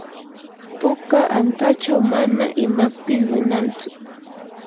puka antachaw manan imapis winantsu.